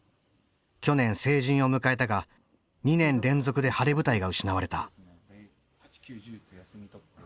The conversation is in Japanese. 去年成人を迎えたが２年連続で晴れ舞台が失われた。